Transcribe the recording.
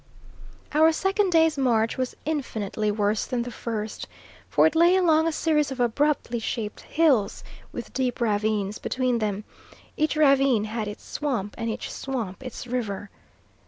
Our second day's march was infinitely worse than the first, for it lay along a series of abruptly shaped hills with deep ravines between them; each ravine had its swamp and each swamp its river.